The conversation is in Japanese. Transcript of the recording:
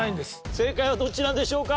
正解はどっちなんでしょうか？